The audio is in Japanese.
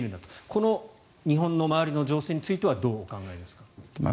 この日本の周りの情勢についてはどうお考えですか？